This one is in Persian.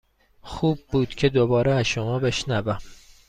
خوب بود که دوباره از شما بشنوم.